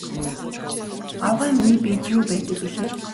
Авгай миний биед юу байдаг билээ?